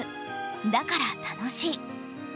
だから楽しい。